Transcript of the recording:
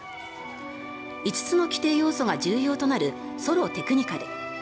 ５つの規定要素が重要となるソロ・テクニカル。